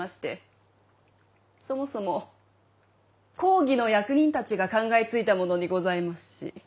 そもそも公儀の役人たちが考えついたものにございますし。